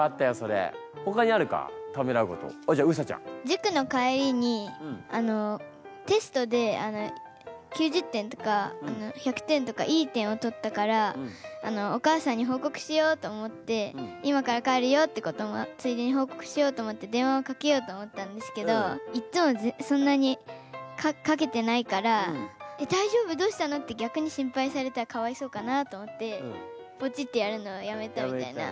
じゅくの帰りにテストで９０点とか１００点とかいい点を取ったからお母さんに報告しようと思って今から帰るよってこともついでに報告しようと思って電話をかけようと思ったんですけどいっつもそんなにかけてないから「大丈夫？どうしたの？」って逆に心配されたらかわいそうかなと思ってポチってやるのをやめたみたいな。